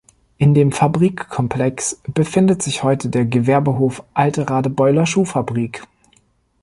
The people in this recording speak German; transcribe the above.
In dem Fabrikkomplex befindet sich heute der "Gewerbehof Alte Radebeuler Schuhfabrik".